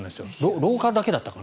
廊下だけだったかな。